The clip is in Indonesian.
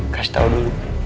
kasih tau dulu